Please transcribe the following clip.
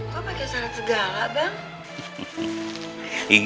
kok pake sarat segala bang